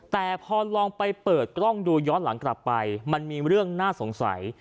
แต่พอลองไปเปิดกล้องดูย้อนหลังกลับไปมันมีเรื่องน่าสงสัย